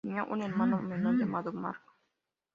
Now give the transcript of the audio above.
Tenía un hermano menor llamado Mark.